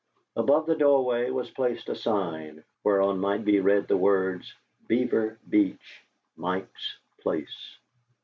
Above the doorway was placed a sign whereon might be read the words, "Beaver Beach, Mike's Place."